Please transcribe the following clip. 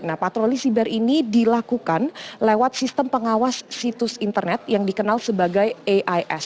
nah patroli siber ini dilakukan lewat sistem pengawas situs internet yang dikenal sebagai ais